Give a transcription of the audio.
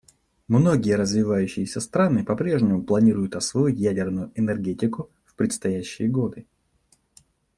Многие развивающиеся страны по-прежнему планируют освоить ядерную энергетику в предстоящие годы.